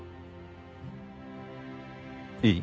いい？